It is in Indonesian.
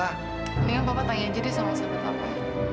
mendingan papa tak janji deh sama siapa siapa